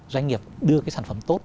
doanh nghiệp đưa cái sản phẩm tốt